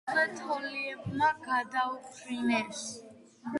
თავზე თოლიებმა გადაუფრინეს.